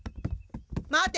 待て。